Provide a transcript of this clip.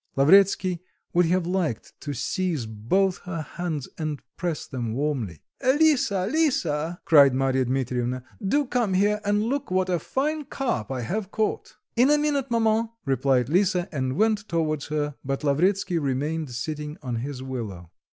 Lavretsky would have liked to seize both her hands, and press them warmly. "Lisa, Lisa!" cried Marya Dmitrievna, "do come here, and look what a fine carp I have caught." "In a minute, maman," replied Lisa, and went towards her, but Lavretsky remained sitting on his willow.